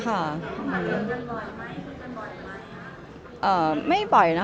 คุณผ่านเหลือกันบ่อยไหมคุณผ่านบ่อยไหมค่ะ